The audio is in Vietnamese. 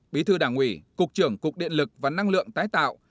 bí thư đảng ủy cục trưởng cục điện lực và năng lượng tái tạo